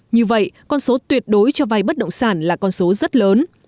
như vậy con số tuyệt đối cho vay bất động sản là con số rất lớn